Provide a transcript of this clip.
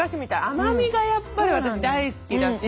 甘みがやっぱり私大好きだし。